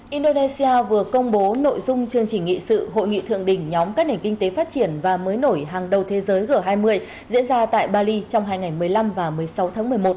indonesia vừa công bố nội dung chương trình nghị sự hội nghị thượng đỉnh nhóm các nền kinh tế phát triển và mới nổi hàng đầu thế giới g hai mươi diễn ra tại bali trong hai ngày một mươi năm và một mươi sáu tháng một mươi một